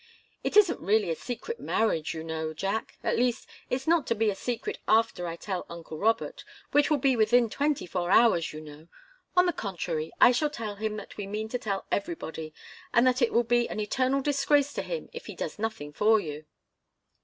It isn't really a secret marriage, you know, Jack at least, it's not to be a secret after I tell uncle Robert, which will be within twenty four hours, you know. On the contrary, I shall tell him that we meant to tell everybody, and that it will be an eternal disgrace to him if he does nothing for you."